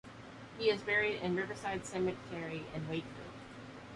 He is buried in Riverside Cemetery, in Wakefield.